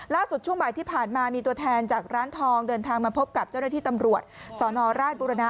ช่วงบ่ายที่ผ่านมามีตัวแทนจากร้านทองเดินทางมาพบกับเจ้าหน้าที่ตำรวจสนราชบุรณะ